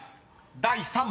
第３問］